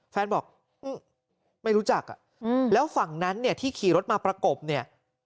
แฟนบอกไม่รู้จักอ่ะแล้วฝั่งนั้นเนี่ยที่ขี่รถมาประกบเนี่ย